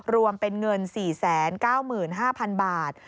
รวมเป็นเงิน๔๙๕๐๐๐บาท